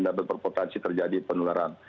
dapat berpotensi terjadi penularan